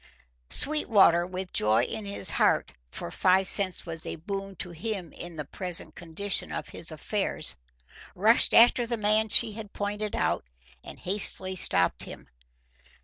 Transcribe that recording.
Sweetwater, with joy in his heart, for five cents was a boon to him in the present condition of his affairs, rushed after the man she had pointed out and hastily stopped him.